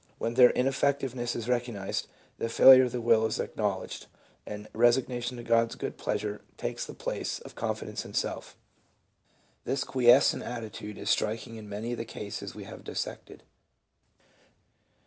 When their ineffectiveness is recognized, the failure of the will is acknowledged, and resignation to God's good pleasure takes the place of confidence in self. This quiescent attitude is striking in many of the cases we have dissected.